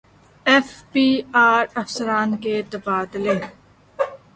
F B R افسران کے تبادلے